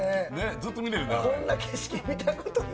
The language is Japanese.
ずっと見れるね。